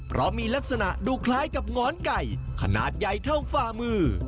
เพราะมีลักษณะดูคล้ายกับหงอนไก่ขนาดใหญ่เท่าฝ่ามือ